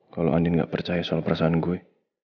kalo andin gak percaya soal perasaan gue